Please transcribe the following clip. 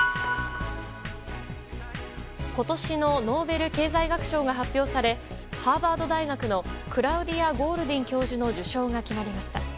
今年のノーベル経済学賞が発表されハーバード大学のクラウディア・ゴールディン教授の受賞が決まりました。